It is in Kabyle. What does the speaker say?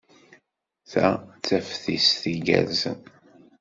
Ta d taftist igerrzen.